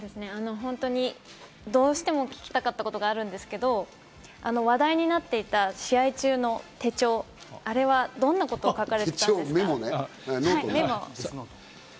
本当にどうしても聞きたかったことがあるんですけど、話題になっていた試合中の手帳、あれはどんなことが書かれているんですか？